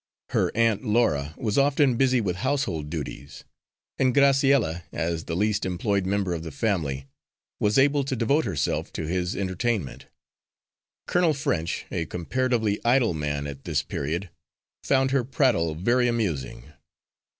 Her aunt Laura was often busy with household duties, and Graciella, as the least employed member of the family, was able to devote herself to his entertainment. Colonel French, a comparatively idle man at this period, found her prattle very amusing.